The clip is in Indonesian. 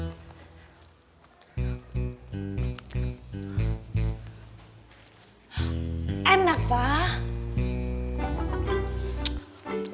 lagi lagi siapa juga yang marah sama kita kita kan